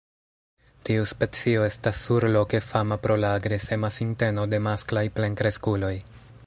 Tiu specio estas surloke fama pro la agresema sinteno de masklaj plenkreskuloj.